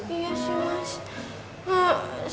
iya sih mas